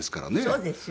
そうですよ。